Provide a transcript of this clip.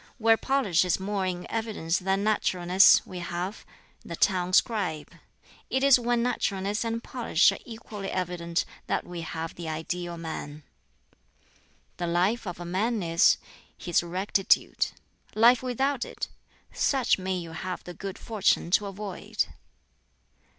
Where polish is more in evidence than naturalness, we have the town scribe. It is when naturalness and polish are equally evident that we have the ideal man. "The life of a man is his rectitude. Life without it such may you have the good fortune to avoid!